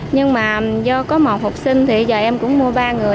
nhưng mà do có một học sinh thì giờ em cũng mua ba người